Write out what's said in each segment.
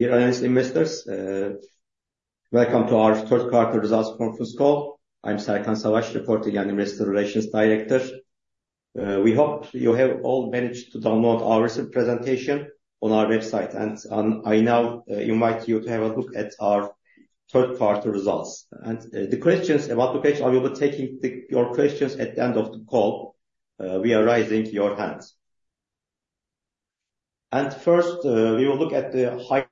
Dear investors, welcome to our Third Quarter Results Conference Call. I'm Serkan Savaş, Reporting and Investor Relations Director. We hope you have all managed to download our recent presentation on our website, and, I now invite you to have a look at our third quarter results. The questions about the page, I will be taking your questions at the end of the call. We are raising your hands. First, we will look at the highlights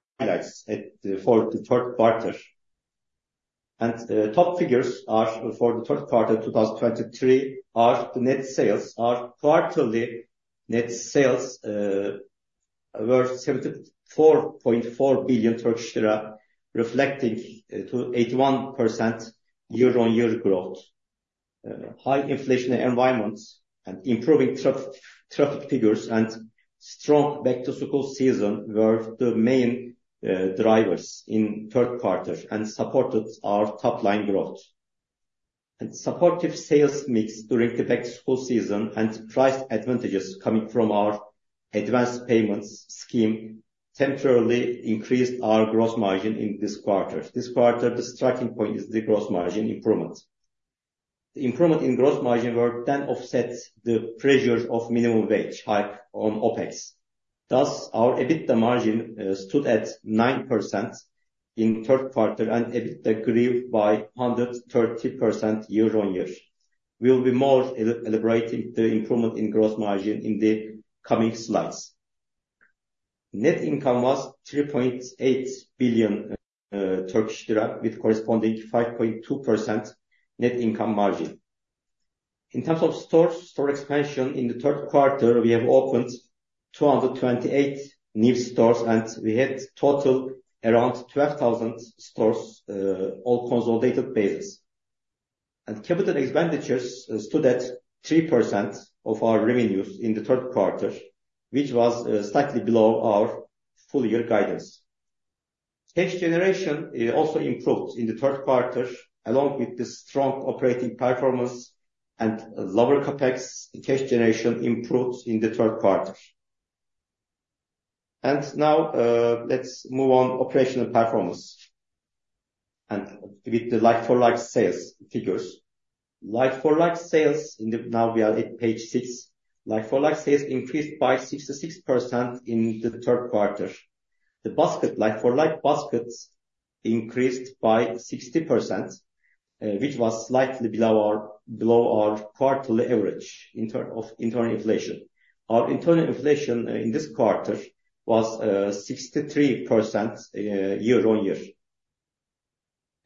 for the third quarter. Top figures are for the third quarter 2023, are the net sales. Our quarterly net sales were 74.4 billion Turkish lira, reflecting to 81% year-on-year growth. High inflation environments and improving traffic, traffic figures, and strong back-to-school season were the main drivers in third quarter and supported our top line growth. Supportive sales mix during the back-to-school season and price advantages coming from our advanced payments scheme temporarily increased our gross margin in this quarter. This quarter, the striking point is the gross margin improvement. The improvement in gross margin were then offset the pressures of minimum wage hike on OpEx. Thus, our EBITDA margin stood at 9% in third quarter, and EBITDA grew by 130% year-on-year. We'll be more elaborating the improvement in gross margin in the coming slides. Net income was 3.8 billion Turkish lira, with corresponding 5.2% net income margin. In terms of stores, store expansion, in the third quarter, we have opened 228 new stores, and we had total around 12,000 stores, all consolidated basis. And capital expenditures stood at 3% of our revenues in the third quarter, which was slightly below our full year guidance. Cash generation also improved in the third quarter, along with the strong operating performance and lower CapEx, cash generation improved in the third quarter. And now, let's move on operational performance and with the like-for-like sales figures. Like-for-like sales in the... Now, we are at page six. Like-for-like sales increased by 66% in the third quarter. The basket, like-for-like baskets increased by 60%, which was slightly below our, below our quarterly average in term of internal inflation. Our internal inflation in this quarter was 63%, year-on-year.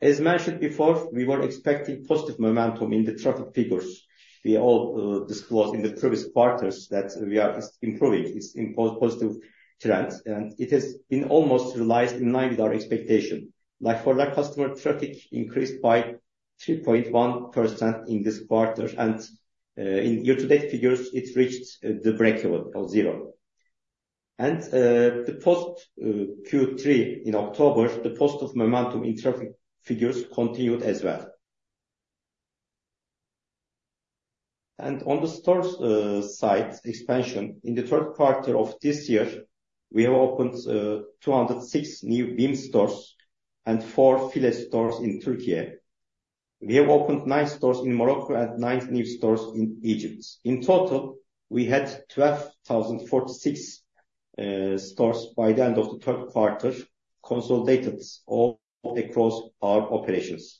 As mentioned before, we were expecting positive momentum in the traffic figures. We all disclosed in the previous quarters that we are improving this in positive trends, and it has been almost realized in line with our expectation. Like-for-like customer traffic increased by 2.1% in this quarter, and in year-to-date figures, it reached the break-even of zero. Post-Q3 in October, the positive momentum in traffic figures continued as well. On the stores site expansion, in the third quarter of this year, we have opened 206 new BIM stores and four FİLE stores in Turkey. We have opened nine stores in Morocco and nine new stores in Egypt. In total, we had 12,046 stores by the end of the third quarter, consolidated all across our operations.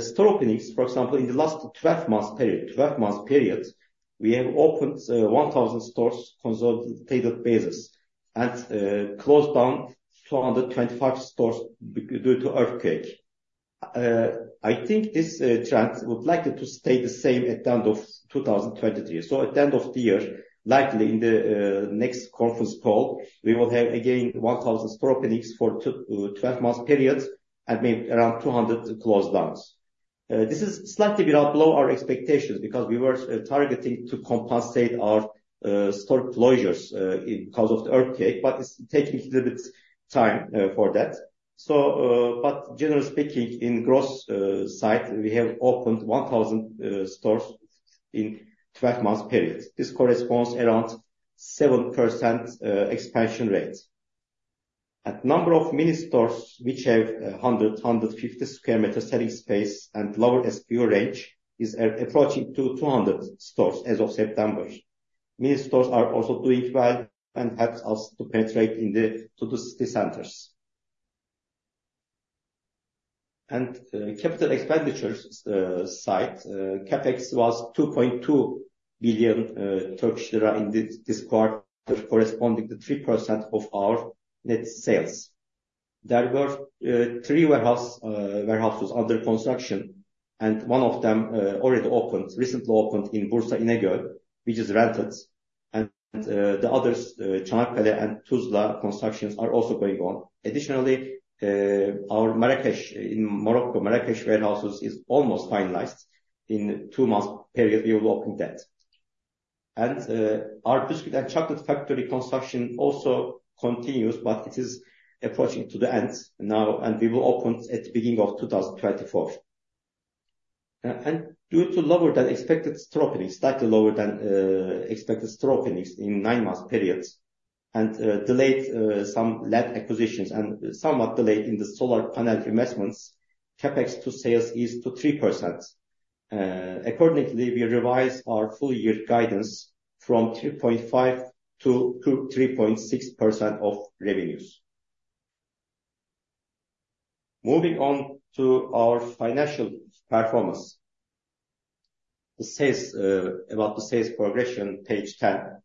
Store openings, for example, in the last twelve months period, we have opened 1,000 stores, consolidated basis, and closed down 225 stores due to earthquake. I think this trend would likely stay the same at the end of 2023. So at the end of the year, likely in the next conference call, we will have, again, 1,000 store openings for twelve months periods and maybe around 200 close downs. This is slightly below our expectations because we were targeting to compensate our store closures because of the earthquake, but it's taking a little bit time for that. So, but generally speaking, in Q3, we have opened 1,000 stores in 12-month period. This corresponds around 7% expansion rate. At number of mini stores, which have a 100-150 square meter selling space and lower SKU range, is approaching to 200 stores as of September. Mini stores are also doing well and helps us to penetrate to the city centers. And, capital expenditures, Q3, CapEx was 2.2 billion Turkish lira in this quarter, corresponding to 3% of our net sales. There were three warehouses under construction, and one of them already opened, recently opened in Bursa, İnegöl, which is rented, and the others, Çanakkale and Tuzla constructions are also going on. Additionally, our Marrakech in Morocco, Marrakech warehouses is almost finalized. In two months period, we will open that. Our biscuit and chocolate factory construction also continues, but it is approaching to the end now, and we will open at the beginning of 2024. Due to lower than expected store openings, slightly lower than expected store openings in nine months periods, and delayed some land acquisitions and somewhat delayed in the solar panel investments, CapEx to sales is to 3%. Accordingly, we revise our full year guidance from 2.5% to 2-3.6% of revenues. Moving on to our financial performance. The sales, about the sales progression, page 10.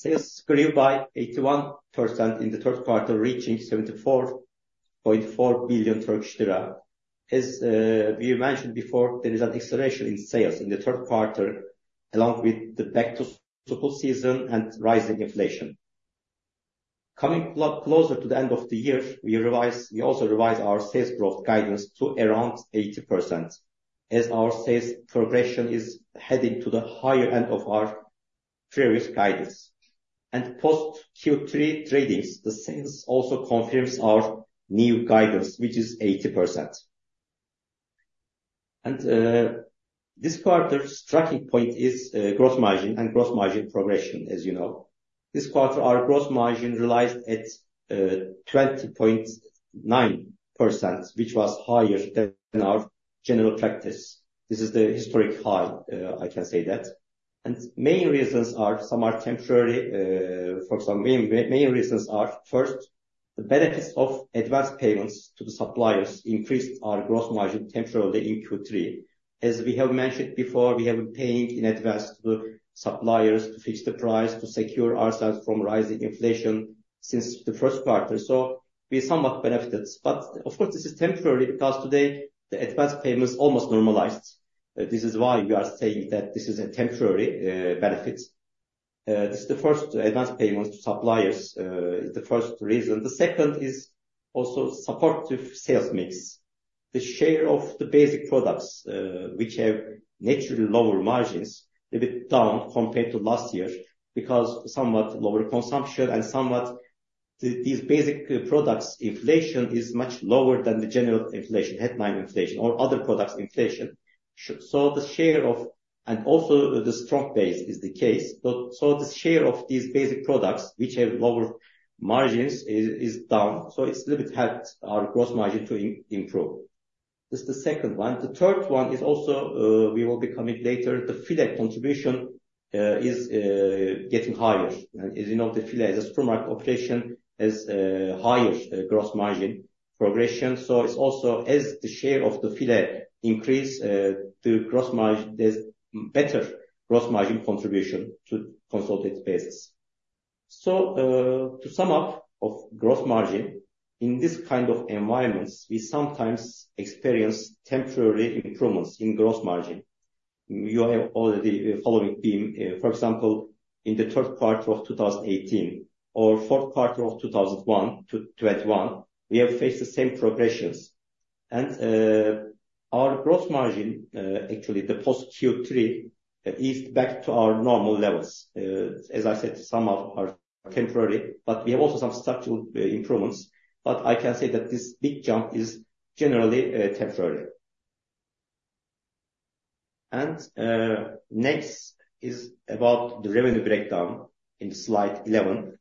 Sales grew by 81% in the third quarter, reaching 74.4 billion Turkish lira. As we mentioned before, there is an acceleration in sales in the third quarter, along with the back-to-school season and rising inflation. Coming closer to the end of the year, we revise, we also revise our sales growth guidance to around 80%, as our sales progression is heading to the higher end of our previous guidance. Post Q3 tradings, the sales also confirms our new guidance, which is 80%. This quarter's striking point is gross margin and gross margin progression, as you know. This quarter, our gross margin realized at 20.9%, which was higher than our general practice. This is the historic high, I can say that. Main reasons are some are temporary, for some main, main reasons are: first, the benefits of advanced payments to the suppliers increased our gross margin temporarily in Q3. As we have mentioned before, we have been paying in advance to suppliers to fix the price, to secure ourselves from rising inflation since the first quarter, so we somewhat benefited. But of course, this is temporary because today the advance payment is almost normalized. This is why we are saying that this is a temporary benefit. This is the first, advance payment to suppliers, is the first reason. The second is also supportive sales mix. The share of the basic products, which have naturally lower margins, a bit down compared to last year, because somewhat lower consumption and somewhat these basic products, inflation is much lower than the general inflation, headline inflation or other products inflation. So the share of... And also the strong base is the case. So the share of these basic products, which have lower margins, is down, so it's a little bit helped our gross margin to improve. This is the second one. The third one is also, we will be coming later. The FİLE contribution is getting higher. And as you know, the FİLE, the supermarket operation has higher gross margin progression. So it's also as the share of the FİLE increase, the gross margin, there's better gross margin contribution to consolidated basis. So, to sum up of gross margin, in this kind of environments, we sometimes experience temporary improvements in gross margin. You have already following BİM, for example, in the third quarter of 2018 or fourth quarter of 2021, we have faced the same progressions. Our gross margin, actually the post Q3, is back to our normal levels. As I said, some of are temporary, but we have also some structural improvements, but I can say that this big jump is generally temporary. Next is about the revenue breakdown in slide 11.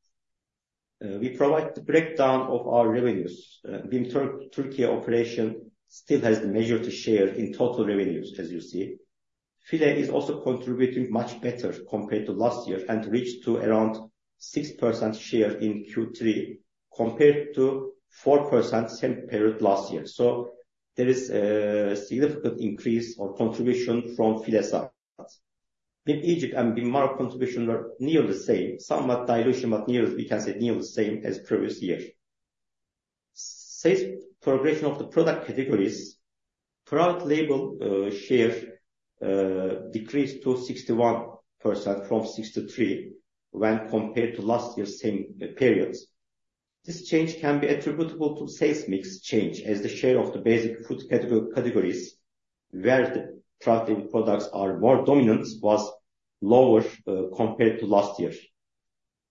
We provide the breakdown of our revenues. BİM Turkey operation still has the majority share in total revenues, as you see. FİLE is also contributing much better compared to last year and reached to around 6% share in Q3, compared to 4% same period last year. So there is a significant increase or contribution from FİLE side. BİM Egypt and BİM Morocco contribution are nearly the same, somewhat dilution, but nearly we can say nearly the same as previous year. Sales progression of the product categories, private label share decreased to 61% from 63% when compared to last year's same periods. This change can be attributable to sales mix change, as the share of the basic food category, categories where the private label products are more dominant, was lower compared to last year.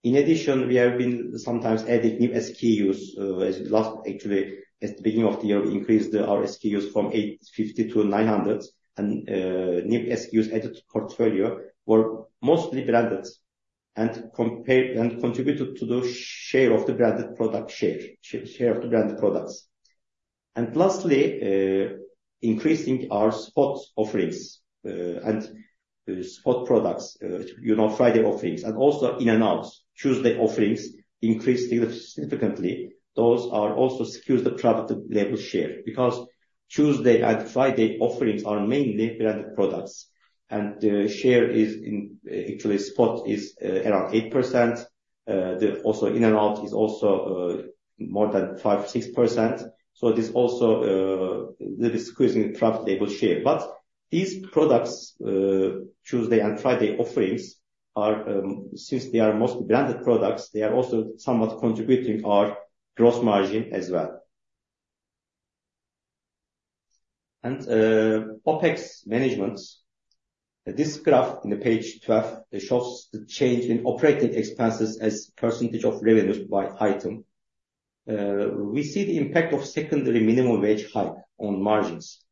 In addition, we have been sometimes adding new SKUs, as last actually, at the beginning of the year, we increased our SKUs from 850 to 900. And new SKUs added to portfolio were mostly branded and contributed to the share of the branded product share, share of the branded products. And lastly, increasing our spot offerings and spot products, you know, Friday offerings, and also in-and-outs, Tuesday offerings increased significantly. Those are also secure the Private Label share, because Tuesday and Friday offerings are mainly branded products, and the share is in. Actually, stock is around 8%. The also in and out is also more than 5-6%. So this also little squeezing Private Label share. But these products, Tuesday and Friday offerings, are, since they are mostly branded products, they are also somewhat contributing our gross margin as well. And OpEx management. This graph on page 12 shows the change in operating expenses as percentage of revenues by item. We see the impact of secondary minimum wage hike on margins.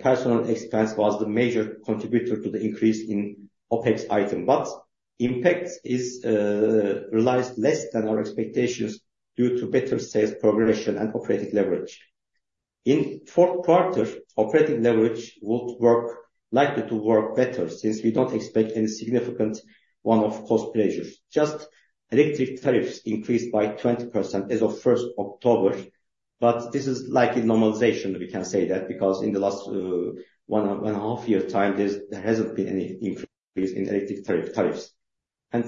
Personnel expense was the major contributor to the increase in OpEx item, but impact is realized less than our expectations due to better sales progression and operating leverage. In fourth quarter, operating leverage would likely work better since we don't expect any significant one-off cost pressures. Just electric tariffs increased by 20% as of 1 October, but this is likely normalization, we can say that, because in the last one and a half years' time, there hasn't been any increase in electric tariffs.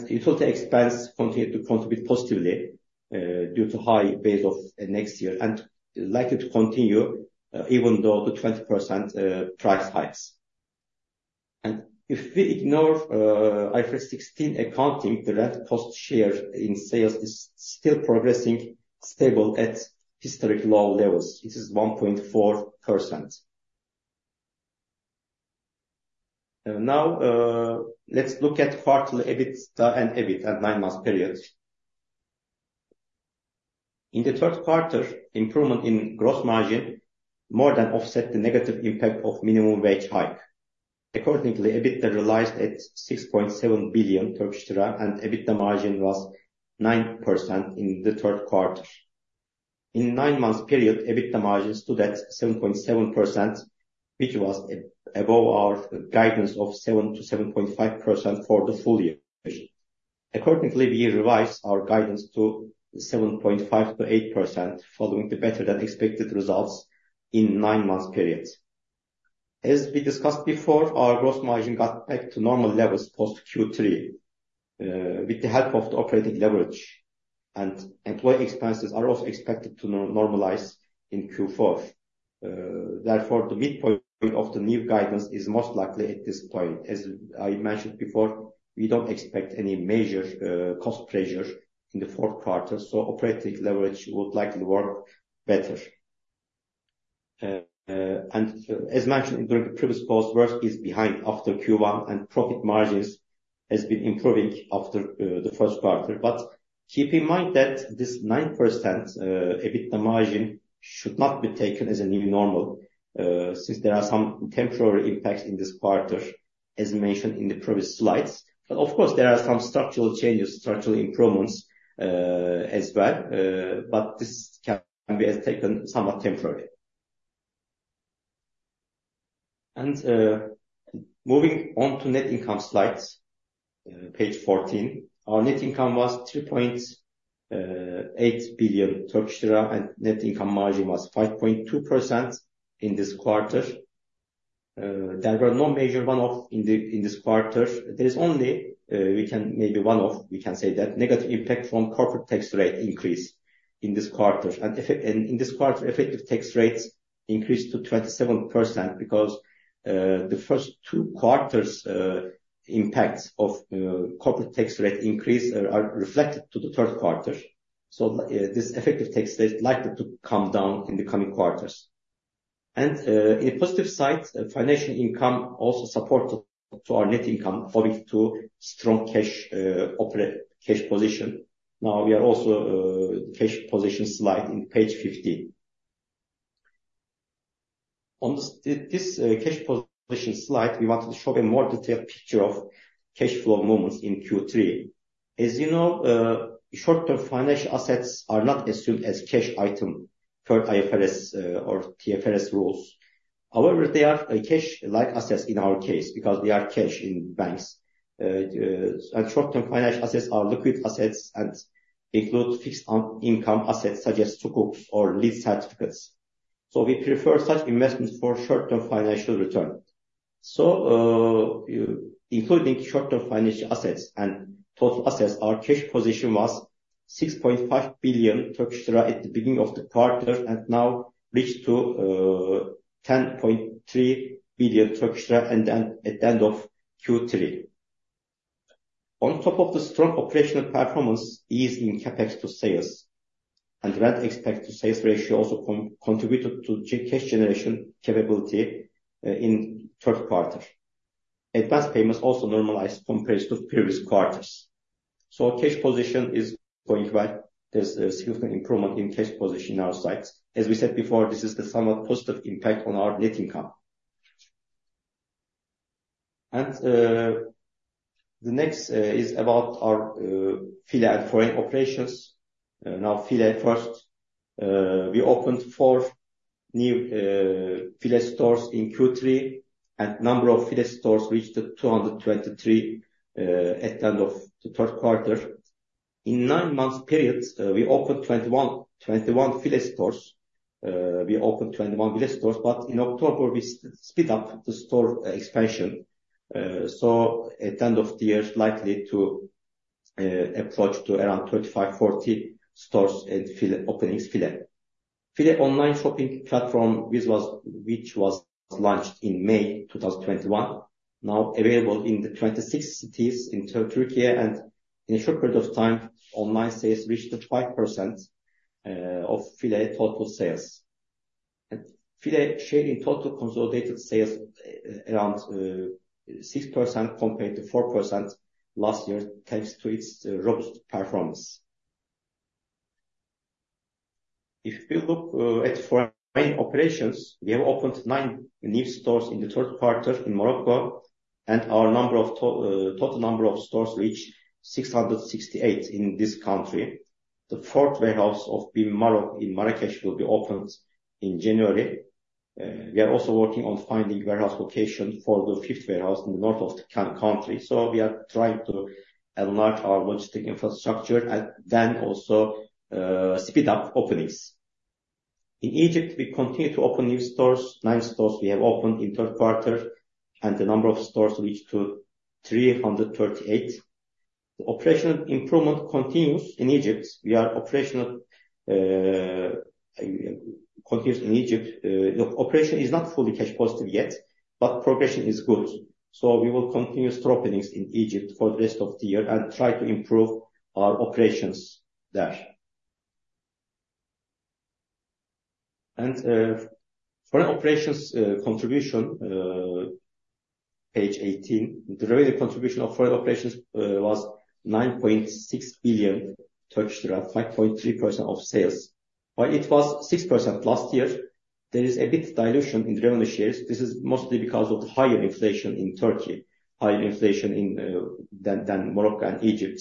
Utility expense continue to contribute positively due to high base of next year, and likely to continue even though the 20% price hikes. If we ignore IFRS 16 accounting, the rent cost share in sales is still progressing stable at historic low levels. This is 1.4%. Now, let's look at quarterly EBITDA and EBIT at nine-month periods. In the third quarter, improvement in gross margin more than offset the negative impact of minimum wage hike. Accordingly, EBITDA realized at 6.7 billion Turkish lira, and EBITDA margin was 9% in the third quarter. In nine-months period, EBITDA margin stood at 7.7%, which was above our guidance of 7%-7.5% for the full year. Accordingly, we revised our guidance to 7.5%-8%, following the better than expected results in nine-months period. As we discussed before, our gross margin got back to normal levels post Q3, with the help of the operating leverage, and employee expenses are also expected to normalize in Q4. Therefore, the midpoint of the new guidance is most likely at this point. As I mentioned before, we don't expect any major, cost pressure in the fourth quarter, so operating leverage would likely work better. And as mentioned in the previous post, work is behind after Q1, and profit margins has been improving after the first quarter. But keep in mind that this 9% EBITDA margin should not be taken as a new normal, since there are some temporary impacts in this quarter, as mentioned in the previous slides. But of course, there are some structural changes, structural improvements, as well, but this can be taken somewhat temporary. And moving on to net income slides, page 14. Our net income was 3.8 billion Turkish lira, and net income margin was 5.2% in this quarter. There were no major one-off in the, in this quarter. There is only, we can maybe one-off, we can say that, negative impact from corporate tax rate increase in this quarter. In this quarter, effective tax rates increased to 27% because the first two quarters impacts of corporate tax rate increase are reflected to the third quarter. So, this effective tax rate is likely to come down in the coming quarters. And, on a positive side, financial income also supported to our net income owing to strong cash operating cash position. Now, we are also cash position slide on page 15. On this cash position slide, we want to show a more detailed picture of cash flow movements in Q3. As you know, short-term financial assets are not assumed as cash item per IFRS or TFRS rules. However, they are a cash-like assets in our case, because they are cash in banks. Short-term financial assets are liquid assets and include fixed income assets, such as Sukuks or lease certificates. So we prefer such investments for short-term financial return. So, including short-term financial assets and total assets, our cash position was 6.5 billion Turkish lira at the beginning of the quarter, and now reached to 10.3 billion Turkish lira at the end of Q3. On top of the strong operational performance, decrease in CapEx to sales and rent expense to sales ratio also contributed to cash generation capability in third quarter. Advanced payments also normalized compared to previous quarters. So cash position is going well. There's a significant improvement in cash position on our side. As we said before, this is the somewhat positive impact on our net income. The next is about our FİLE and foreign operations. Now FİLE first. We opened four new FİLE stores in Q3, and number of FİLE stores reached 223 at the end of the third quarter. In nine months periods, we opened 21 FİLE stores. We opened 21 FİLE stores, but in October, we sped up the store expansion. So at the end of the year, likely to approach to around 35-40 stores at FİLE openings FİLE. FİLE online shopping platform, which was launched in May 2021, now available in the 26 cities in Turkey, and in a short period of time, online sales reached 5% of FİLE total sales. FİLE sharing total consolidated sales around 6% compared to 4% last year, thanks to its robust performance. If you look at foreign operations, we have opened nine new stores in the third quarter in Morocco, and our total number of stores reached 668 in this country. The fourth warehouse of BİM Morocco in Marrakech will be opened in January. We are also working on finding warehouse location for the fifth warehouse in the north of the country. So we are trying to enlarge our logistics infrastructure and then also speed up openings. In Egypt, we continue to open new stores. Nine stores we have opened in third quarter, and the number of stores reached to 338. The operational improvement continues in Egypt. We are operational continues in Egypt. The operation is not fully cash positive yet, but progression is good. So we will continue store openings in Egypt for the rest of the year and try to improve our operations there. And foreign operations contribution, page 18. The revenue contribution of foreign operations was 9.6 billion Turkish lira, 5.3% of sales. While it was 6% last year, there is a bit dilution in revenue shares. This is mostly because of higher inflation in Turkey than in Morocco and Egypt.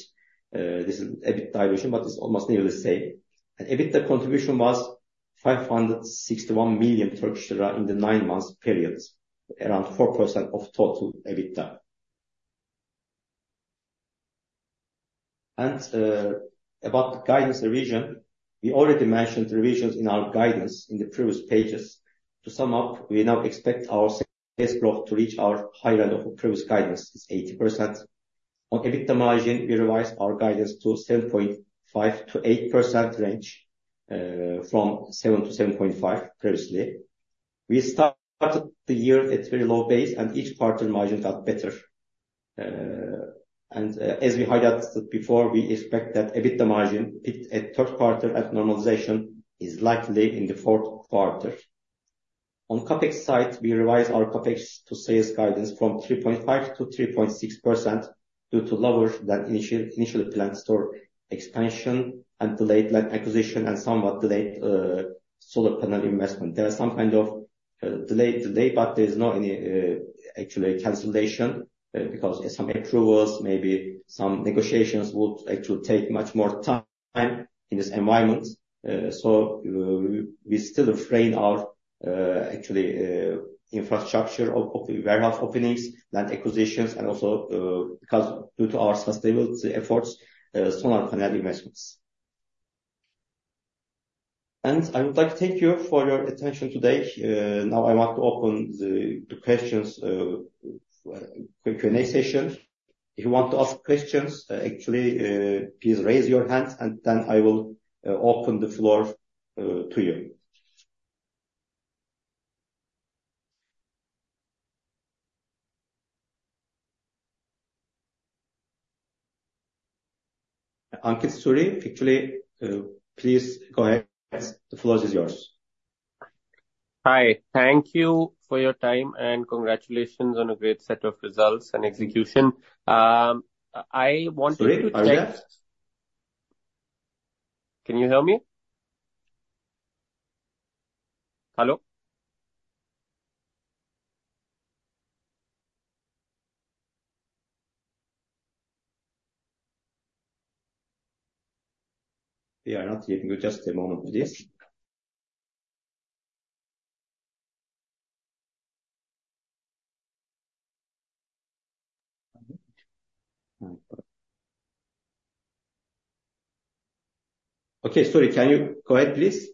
This is a bit dilution, but it's almost nearly the same. And EBITDA contribution was 561 million Turkish lira in the nine months period, around 4% of total EBITDA. And about the guidance revision. We already mentioned revisions in our guidance in the previous pages. To sum up, we now expect our sales growth to reach our high end of previous guidance is 80%. On EBITDA margin, we revised our guidance to 7.5%-8% range, from 7%-7.5% previously. We started the year at very low base, and each quarter margin got better. And, as we highlighted before, we expect that EBITDA margin peaked at third quarter at normalization is likely in the fourth quarter. On CapEx side, we revise our CapEx to sales guidance from 3.5%-3.6% due to lower than initial planned store expansion and delayed land acquisition and somewhat delayed solar panel investment. There are some kind of delays to date, but there's no any actually cancellation because some approvals, maybe some negotiations would actually take much more time in this environment. So, we still frame our actually infrastructure of the warehouse openings, land acquisitions, and also, because due to our sustainability efforts, solar panel investments. And I would like to thank you for your attention today. Now I want to open the questions Q&A session. If you want to ask questions, actually, please raise your hands, and then I will open the floor to you. Ankit Suri, actually, please go ahead. The floor is yours. Hi. Thank you for your time, and congratulations on a great set of results and execution. I wanted to- Sorry, Ankit? Can you hear me? Hello? We are not able to test the moment, please. Ankit Suri, can you go ahead, please?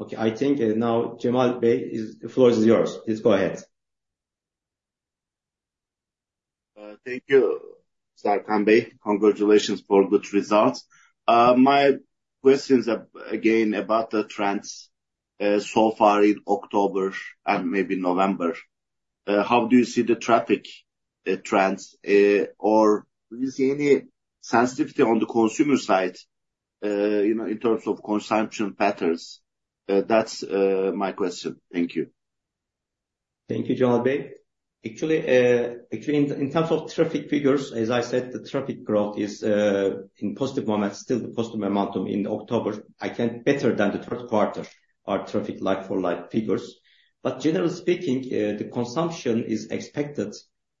Okay, I think, now, Serkan Bay, is the floor is yours. Please, go ahead. Thank you, Serkan Bey. Congratulations for good results. My question is again, about the trends, so far in October and maybe November. How do you see the traffic, trends, or do you see any sensitivity on the consumer side, you know, in terms of consumption patterns? That's my question. Thank you. Thank you, Serkan Bey. Actually, actually, in terms of traffic figures, as I said, the traffic growth is in positive moment, still the positive momentum in October, again, better than the third quarter, our traffic like for like figures. But generally speaking, the consumption is expected,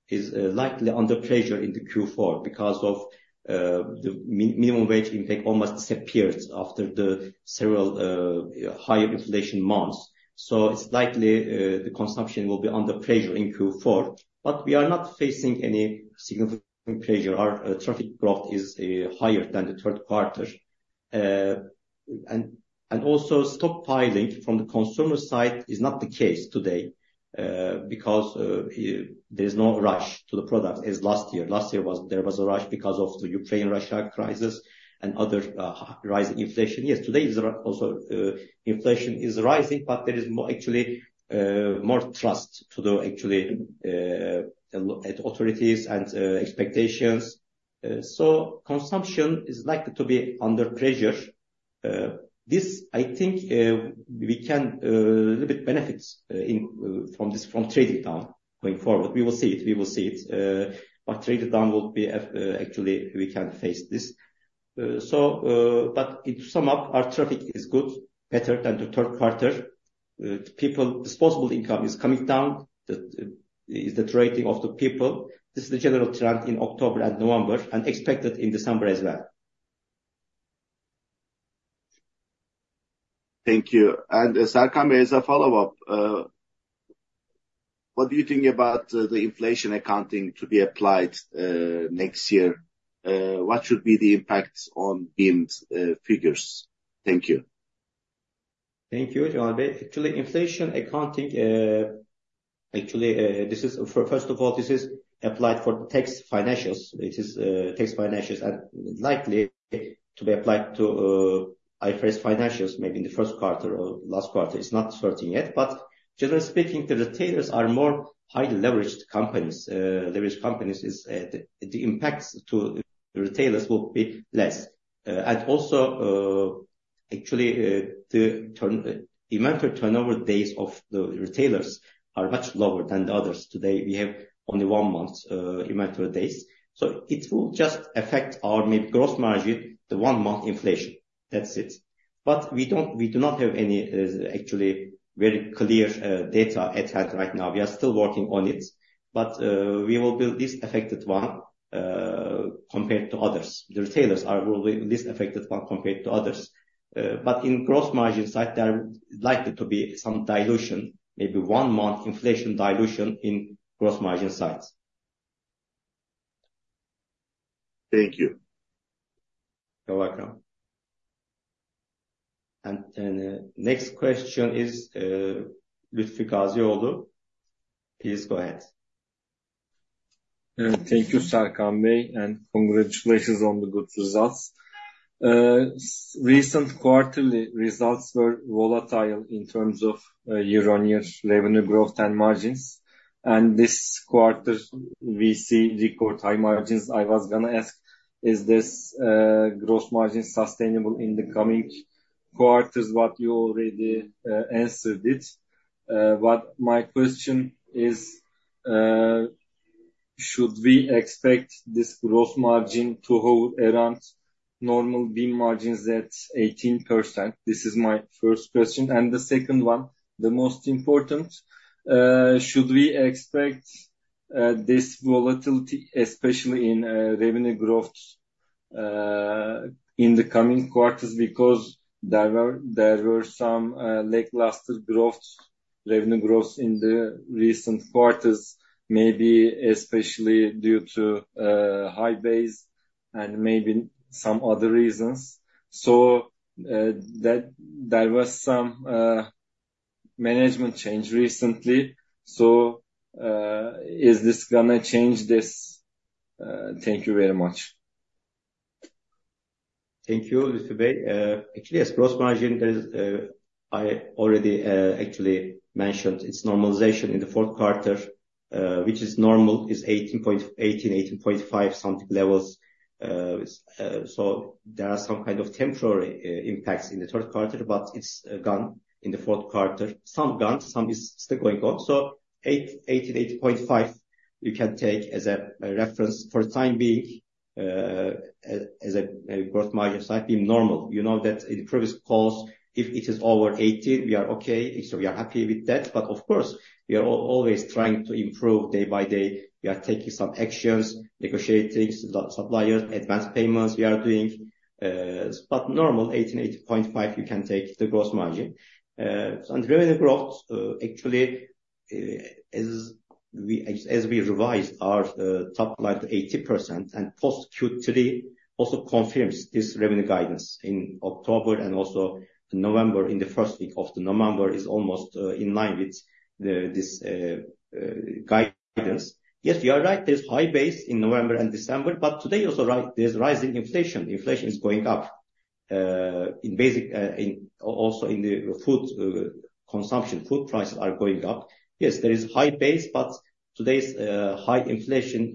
is likely under pressure in the Q4 because of the minimum wage impact almost disappeared after the several high inflation months. So it's likely the consumption will be under pressure in Q4, but we are not facing any significant pressure. Our traffic growth is higher than the third quarter. And also stockpiling from the consumer side is not the case today because there's no rush to the product as last year. Last year there was a rush because of the Ukraine-Russia crisis and other rising inflation. Yes, today there are also inflation is rising, but there is more actually more trust to the actually at authorities and expectations. So consumption is likely to be under pressure. This I think we can little bit benefits in from this—from trading down going forward. We will see it, we will see it, but trade down will be actually we can face this. So but in sum up, our traffic is good, better than the third quarter. People's disposable income is coming down. The is the trading of the people. This is the general trend in October and November, and expected in December as well. Thank you. And Serkan, as a follow-up, what do you think about the inflation accounting to be applied next year? What should be the impact on BIM's figures? Thank you. Thank you, Serkan Bey. Actually, inflation accounting, actually, this is... First of all, this is applied for tax financials. It is tax financials and likely to be applied to IFRS financials, maybe in the first quarter or last quarter. It's not certain yet, but generally speaking, the retailers are more highly leveraged companies. Leveraged companies, the impacts to the retailers will be less. And also, actually, the inventory turnover days of the retailers are much lower than the others. Today, we have only one month inventory days, so it will just affect our mid gross margin, the one-month inflation. That's it. But we do not have any, actually very clear data at hand right now. We are still working on it, but we will be least affected one compared to others. The retailers will be least affected one compared to others. But in gross margin side, there are likely to be some dilution, maybe one month inflation dilution in gross margin sides. Thank you. You're welcome. Next question is Lütfü Hacıoğlu. Please go ahead. Thank you, Serkan Bey, and congratulations on the good results. Recent quarterly results were volatile in terms of year-on-year revenue growth and margins, and this quarter we see record high margins. I was gonna ask, is this gross margin sustainable in the coming quarters? What you already answered it. But my question is, should we expect this gross margin to hold around normal BIM margins at 18%? This is my first question. The second one, the most important, should we expect this volatility especially in revenue growth in the coming quarters? Because there were some lackluster growth, revenue growth in the recent quarters, maybe especially due to high base and maybe some other reasons. So, that there was some management change recently. So, is this gonna change this? Thank you very much. Thank you, Lütfü Bey. Actually, as gross margin, there is, I already actually mentioned its normalization in the fourth quarter, which is normal, is 18-18, 18.5% something levels. So there are some kind of temporary impacts in the third quarter, but it's gone in the fourth quarter. Some gone, some is still going on. So 18, 18, 18.5%, you can take as a reference for the time being, as a gross margin side being normal. You know that in the previous calls, if it is over 18%, we are okay, so we are happy with that. But of course, we are always trying to improve day by day. We are taking some actions, negotiating lot suppliers, advanced payments we are doing, but normal 18, 18.5%, you can take the gross margin. Revenue growth, actually, as we revise our top line to 80% and post Q3 also confirms this revenue guidance in October and also November. In the first week of November is almost in line with this guidance. Yes, you are right, there's high base in November and December, but today also right, there's rising inflation. Inflation is going up in basic, also in the food consumption. Food prices are going up. Yes, there is high base, but today's high inflation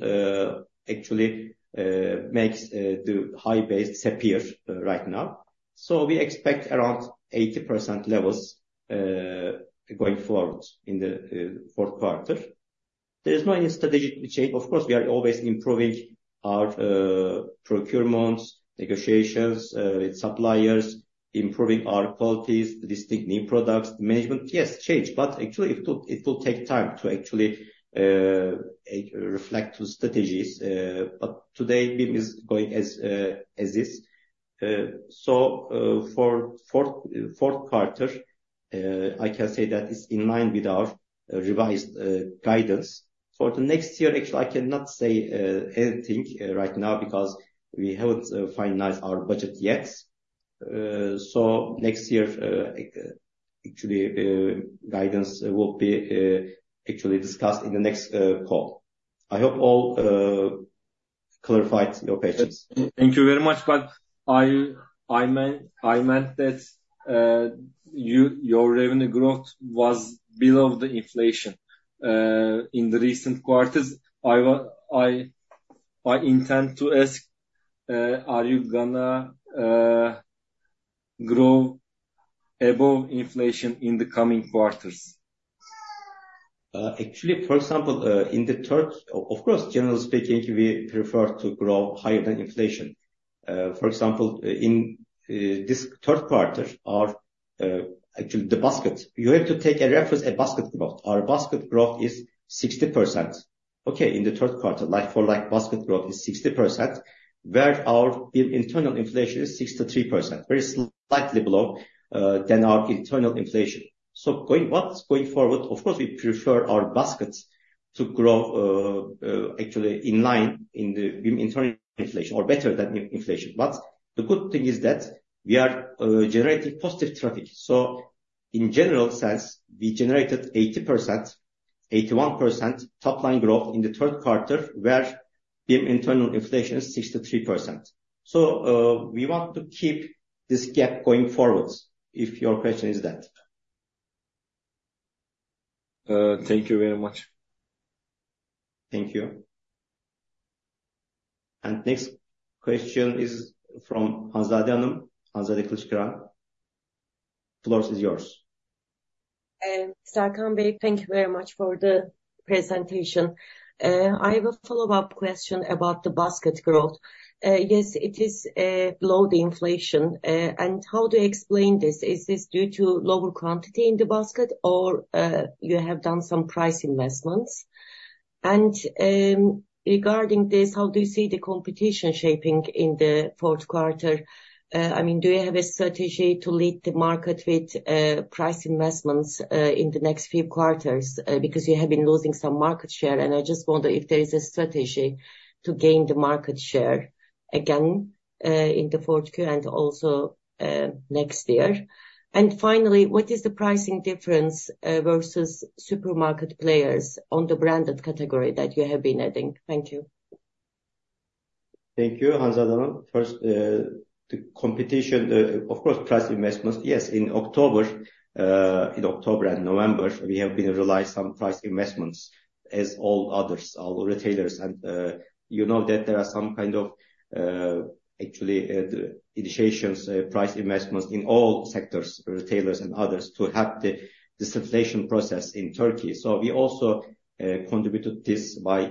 actually makes the high base disappear right now. So we expect around 80% levels going forward in the fourth quarter. There is no strategic change. Of course, we are always improving our procurements, negotiations with suppliers, improving our qualities, distinct new products. Management, yes, change, but actually it will take time to actually reflect to strategies. But today, BIM is going as as is. So, for fourth quarter, I can say that it's in line with our revised guidance. For the next year, actually, I cannot say anything right now because we haven't finalized our budget yet. So next year, actually, guidance will be actually discussed in the next call. I hope all clarified your questions. Thank you very much, but I meant that your revenue growth was below the inflation in the recent quarters. I intend to ask, are you gonna grow above inflation in the coming quarters? Actually, for example, in the third... Of course, generally speaking, we prefer to grow higher than inflation. For example, in this third quarter, our actually the basket, you have to take a reference, a basket growth. Our basket growth is 60%. Okay, in the third quarter, like-for-like basket growth is 60%, where our internal inflation is 63%. Very slightly below than our internal inflation. So going forward, of course, we prefer our baskets to grow actually in line in the internal inflation or better than inflation. But the good thing is that we are generating positive traffic. So in general sense, we generated 80%, 81% top line growth in the third quarter, where the internal inflation is 63%. So, we want to keep this gap going forward, if your question is that. Thank you very much. Thank you. Next question is from Hanzade Hanım, Hanzade Kılıçkıran. Floor is yours. Serkan Bey, thank you very much for the presentation. I have a follow-up question about the basket growth. Yes, it is below the inflation. And how do you explain this? Is this due to lower quantity in the basket or you have done some price investments? And, regarding this, how do you see the competition shaping in the fourth quarter? I mean, do you have a strategy to lead the market with price investments in the next few quarters? Because you have been losing some market share, and I just wonder if there is a strategy to gain the market share again in the fourth quarter and also next year. And finally, what is the pricing difference versus supermarket players on the branded category that you have been adding? Thank you. Thank you, Azadi Anum. First, the competition, of course, price investments. Yes, in October and November, we have been realized some price investments as all others, all retailers. And, you know that there are some kind of, actually, the initiations, price investments in all sectors, retailers and others, to help the disinflation process in Turkey. So we also contributed this by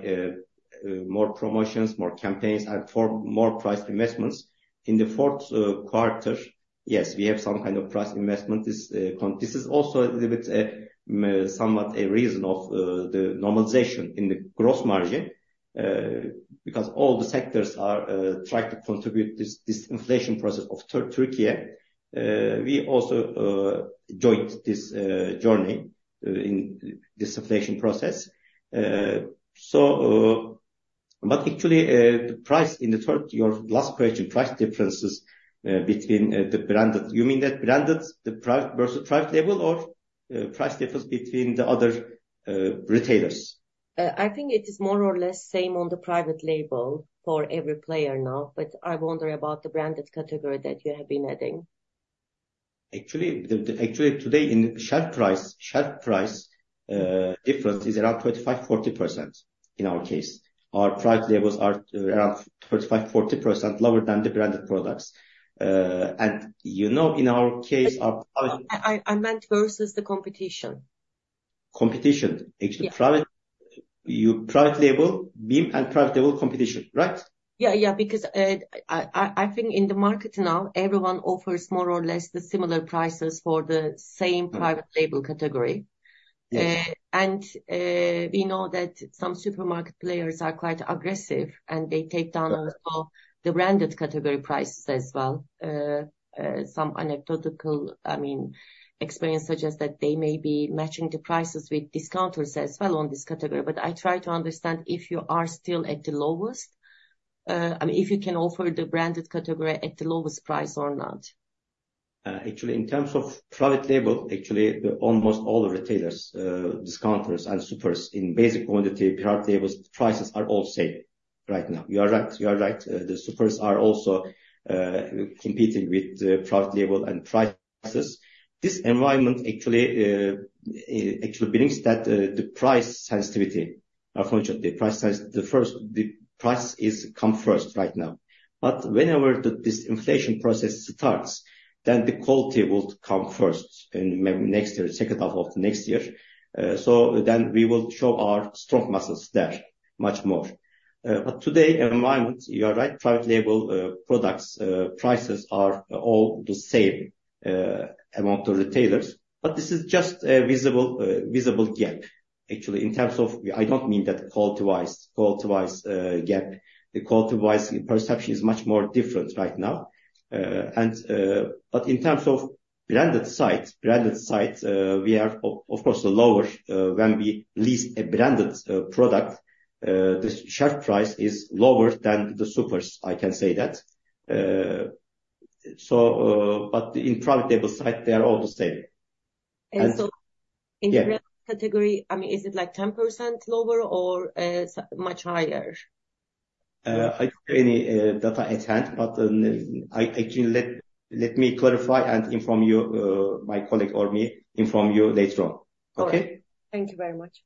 more promotions, more campaigns, and for more price investments. In the fourth quarter, yes, we have some kind of price investment. This, this is also a little bit, somewhat a reason of the normalization in the gross margin, because all the sectors are trying to contribute this, this inflation process of Turkey. We also joined this journey in this inflation process. So, but actually, the price in the third—your last question, price differences between the branded. You mean that branded, the price versus private label or, price difference between the other retailers? I think it is more or less same on the private label for every player now, but I wonder about the branded category that you have been adding. Actually, today in shelf price, shelf price difference is around 25%-40% in our case. Our private labels are around 25%-40% lower than the branded products. And you know, in our case, our private- I meant versus the competition. Competition? Yeah. Actually, you private label, BIM, and private label competition, right? Yeah, yeah, because I think in the market now, everyone offers more or less the similar prices for the same private- Mm. -label category. Yes. And we know that some supermarket players are quite aggressive, and they take down as well the branded category prices as well. Some anecdotal, I mean, experience suggests that they may be matching the prices with discounters as well on this category. But I try to understand if you are still at the lowest, I mean, if you can offer the branded category at the lowest price or not. Actually, in terms of private label, actually, almost all the retailers, discounters and supers in basic quantity, private labels, prices are all same right now. You are right, you are right. The supers are also, competing with the private label and prices. This environment actually, actually brings that, the price sensitivity. Unfortunately, price sensitivity. The price is come first right now. But whenever this inflation process starts, then the quality will come first in maybe next year, second half of next year. So then we will show our strong muscles there much more. But today, environment, you are right, private label, products, prices are all the same, among the retailers, but this is just a visible, visible gap. Actually, in terms of, I don't mean that quality-wise, quality-wise, gap. The quality-wise perception is much more different right now. But in terms of branded sites, branded sites, we are of course lower, when we lease a branded product, the shelf price is lower than the supers, I can say that. But in profitable site, they are all the same. And so- Yeah. In brand category, I mean, is it like 10% lower or much higher? I don't have any data at hand, but actually, let me clarify and inform you, my colleague or me inform you later on. Okay? All right. Thank you very much.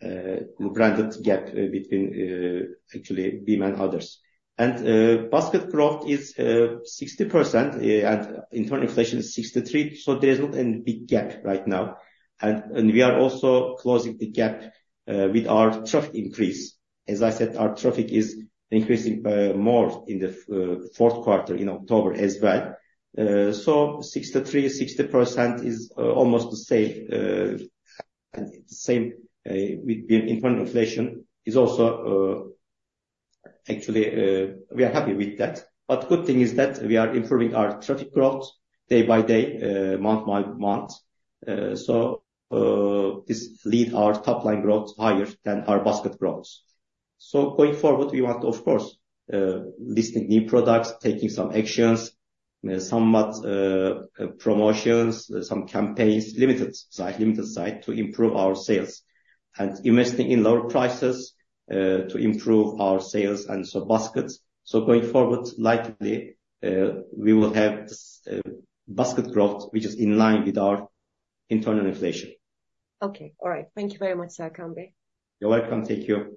Branded gap between, actually BİM and others. Basket growth is 60%, and internal inflation is 63%, so there's not any big gap right now. And we are also closing the gap with our traffic increase. As I said, our traffic is increasing by more in the fourth quarter, in October as well. So 63, 60% is almost the same, same, with the internal inflation is also. Actually, we are happy with that. But good thing is that we are improving our traffic growth day by day, month by month. So this lead our top line growth higher than our basket growth. So going forward, we want to, of course, list new products, taking some actions, somewhat, promotions, some campaigns, limited side, limited side, to improve our sales. And investing in lower prices, to improve our sales and so baskets. So going forward, likely, we will have basket growth, which is in line with our internal inflation. Okay. All right. Thank you very much, Serkan Bey. You're welcome. Thank you.